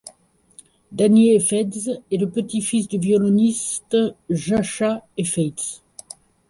Danny Heifetz est le petit-fils du violoniste Jascha Heifetz.